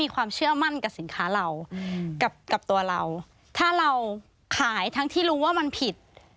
ความเชื่อมั่นกับสินค้าเรากับตัวเราถ้าเราขายทั้งที่รู้ว่ามันผิด